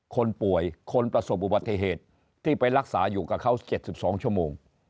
คนป่วยคนประสบอุบัติเหตุที่ไปรักษาอยู่กับเขา๗๒ชั่วโมง